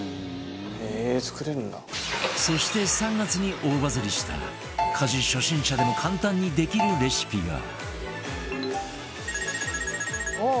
そして３月に大バズりした家事初心者でも簡単にできるレシピが